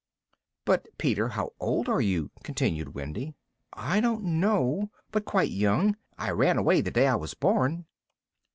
"But Peter, how old are you?" continued Wendy. "I don't know, but quite young. I ran away the day I was born."